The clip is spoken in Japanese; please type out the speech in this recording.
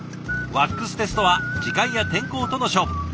ワックステストは時間や天候との勝負。